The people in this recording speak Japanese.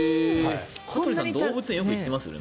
羽鳥さん、動物園によく行っていますよね。